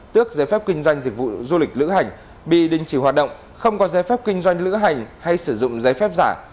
tước giấy phép kinh doanh dịch vụ du lịch lữ hành bị đình chỉ hoạt động không có giấy phép kinh doanh lữ hành hay sử dụng giấy phép giả